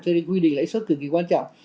cho nên quy định lãi suất cực kỳ quan trọng